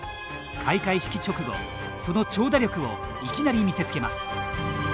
開会式直後、その長打力をいきなり見せつけます。